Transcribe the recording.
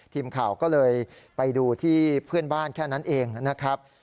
ทีมข่าวก็เลยไปดูที่เพื่อนบ้านแค่นั้นเองนะครับ